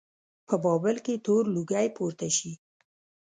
په بابل کې تور لوګی پورته شي.